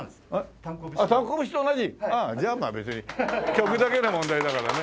曲だけの問題だからね。